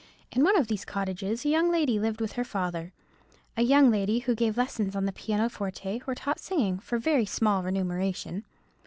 In one of these cottages a young lady lived with her father; a young lady who gave lessons on the piano forte, or taught singing, for very small remuneration.